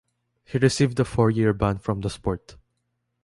He received a four-year ban from the sport.